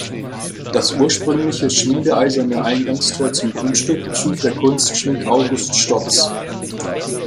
Das ursprüngliche schmiedeeiserne Eingangstor zum Grundstück schuf der Kunstschmied August Stotz.